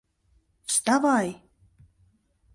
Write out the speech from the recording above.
— Вставай!